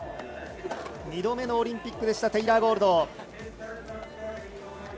２度目のオリンピックでしたテイラー・ゴールド。